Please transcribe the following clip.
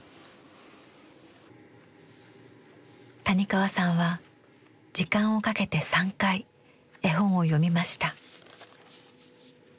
谷川さんは時間をかけて３回絵本を読みました。